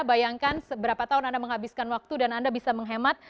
bayangkan seberapa tahun anda menghabiskan waktu dan anda bisa menghemat